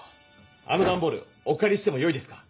あのダンボールおかりしてもよいですか？